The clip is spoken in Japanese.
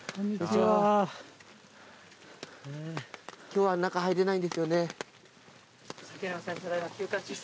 今日は中入れないんですよね。